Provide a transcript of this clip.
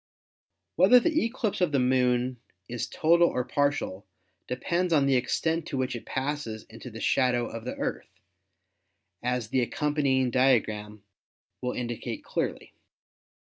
Whether the eclipse of the Moon is total or partial depends on the extent to which it passes THE MOON 173 into the shadow of the Earth, as the accompanying dia gram will indicate clearly.